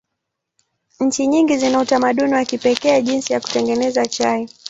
Nchi nyingi zina utamaduni wa pekee jinsi ya kutengeneza chai.